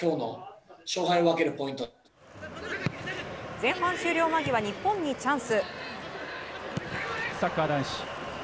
前半終了間際、日本にチャンス。